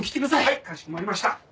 はいかしこまりました。